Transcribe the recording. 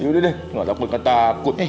yaudah deh nggak takut nggak takut